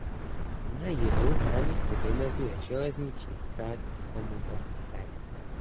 Na jihu hranici vymezuje železniční trať Chomutov–Cheb.